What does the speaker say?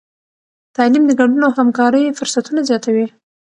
تعلیم د ګډون او همکارۍ فرصتونه زیاتوي.